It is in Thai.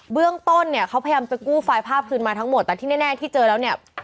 เรื่องต้นเนี่ยเขาพยายามจะกู้ไฟล์ภาพคืนมาทั้งหมดแต่ที่แน่ที่เจอแล้วเนี่ย